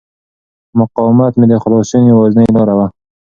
مقاومت مې د خلاصون یوازینۍ لاره وه.